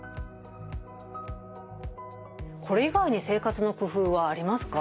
これ以外に生活の工夫はありますか？